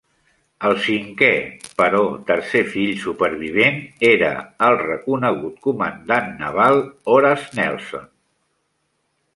El cinquè, però tercer fill supervivent, era el reconegut comandant naval Horatio Nelson.